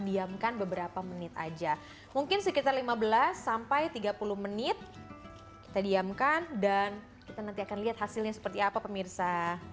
diamkan beberapa menit aja mungkin sekitar lima belas sampai tiga puluh menit kita diamkan dan kita nanti akan lihat hasilnya seperti apa pemirsa